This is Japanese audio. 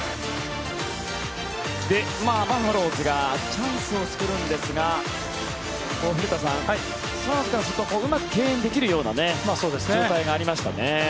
バファローズがチャンスを作るんですが古田さん、スワローズからするとうまく敬遠できるような状態がありましたね。